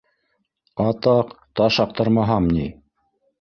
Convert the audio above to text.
Атаҡ, таш аҡтармаһам ни...